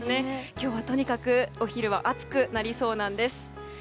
今日は、とにかくお昼は暑くなりそうなんです。